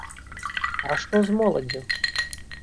А што з моладдзю?